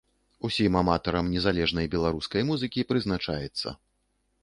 Усім аматарам незалежнай беларускай музыкі прызначаецца.